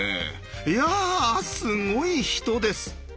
いやすごい人です。